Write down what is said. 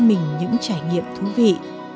mình những trải nghiệm thú vị